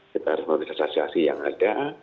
kita harus menurut asasiasi yang ada